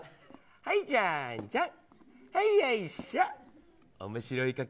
はい、じゃんじゃん。